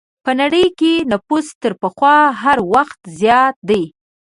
په نړۍ کې نفوس تر پخوا هر وخت زیات دی.